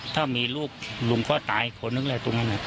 ถ้ามีลูกลุงก็ตายคนนึงแหละตรงนั้น